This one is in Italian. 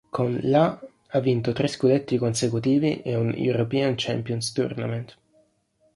Con la ha vinto tre scudetti consecutivi e un'European Champions Tournament.